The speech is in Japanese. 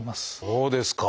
そうですか！